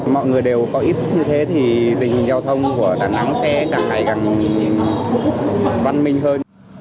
mọi người đều có ít như thế thì tình hình giao thông của đà nẵng sẽ càng ngày càng văn minh hơn